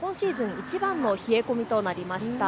いちばんの冷え込みとなりました。